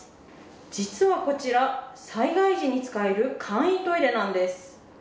実は、こちら、災害時に使える簡易トイレなんです。